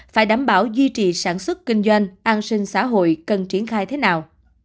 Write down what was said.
phải đảm bảo duy trì sản xuất kinh doanh an sinh xã hội cần triển khai thế nào